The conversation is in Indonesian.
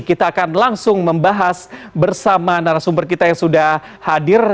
kita akan langsung membahas bersama narasumber kita yang sudah hadir